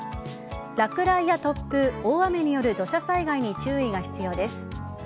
落雷や突風大雨による土砂災害に注意が必要です。